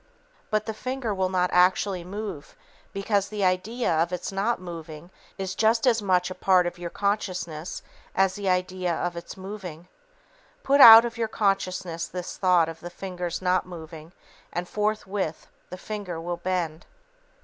But the finger will not actually move, because the idea of its not moving is just as much a part of your consciousness as the idea of its moving. Put out of your consciousness this thought of the finger's not moving, and forthwith the finger will bend.